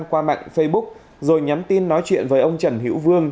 qua mạng facebook rồi nhắm tin nói chuyện với ông trần hiễu vương